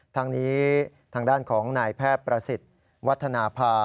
ทางนี้ทางด้านของนายแพทย์ประสิทธิ์วัฒนภา